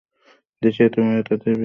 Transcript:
দেশে এত মহিলা, তাদের দিয়ে করিয়ে নে।